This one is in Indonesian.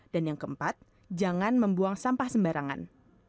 dan yang keempat jangan membuang sampah sembarangan